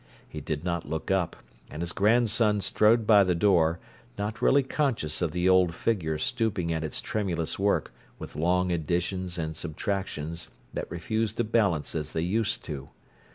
He did not look up, and his grandson strode by the door, not really conscious of the old figure stooping at its tremulous work with long additions and subtractions that refused to balance as they used to.